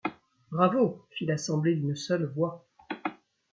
Bravo ! fit l’assemblée d’une seule voix